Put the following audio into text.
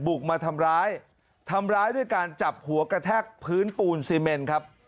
บุกมาทำร้ายทำร้ายด้วยการจับหัวกระแทกพื้นปูนซีเมนครับ